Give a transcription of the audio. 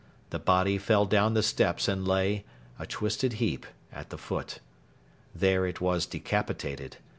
The body fell down the steps and lay a twisted heap at the foot. There it was decapitated.